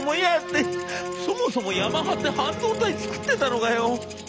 そもそもヤマハって半導体作ってたのかよ？」。